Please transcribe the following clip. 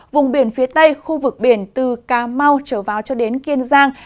vùng biển phía tây khu vực biển từ cà mau trở vào cho đến kiên giang